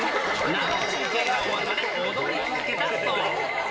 生放送が終わるまで踊り続けたそう。